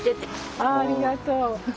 ありがとう。